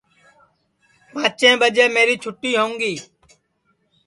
پانٚچیں ٻجے میری چھُتی ہوؤں گی